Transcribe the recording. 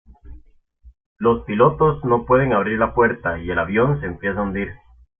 Los pilotos no pueden abrir la puerta y el avión se empieza a hundir.